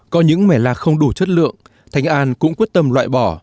có những mẻ lạc không đủ chất lượng thanh an cũng quyết tâm loại bỏ